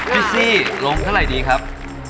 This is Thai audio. ซี่ลงเท่าไหร่ดีครับ